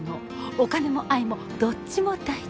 お金も愛もどっちも大事。